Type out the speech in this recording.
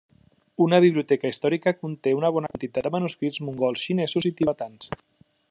Una biblioteca històrica conté una bona quantitat de manuscrits mongols, xinesos i tibetans.